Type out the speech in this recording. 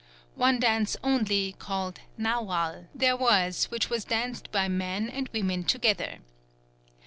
One dance only, called Naual, there was which was danced by men and women together.